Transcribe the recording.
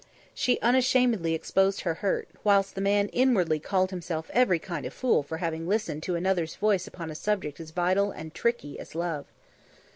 She unashamedly exposed her hurt, whilst the man inwardly called himself every kind of a fool for having listened to another's voice upon a subject as vital and tricky as love.